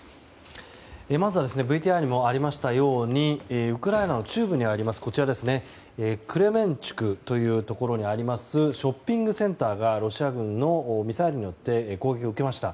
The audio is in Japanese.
まずはＶＴＲにもありましたようにウクライナの中部にありますクレメンチュクというところにありますショッピングセンターがロシア軍のミサイルによって攻撃を受けました。